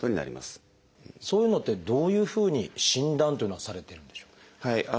そういうのってどういうふうに診断というのはされてるんでしょう？